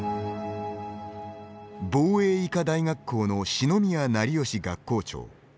防衛医科大学校の四ノ宮成祥学校長。